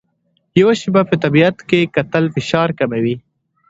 یو شېبه په طبیعت کې کتل فشار کموي.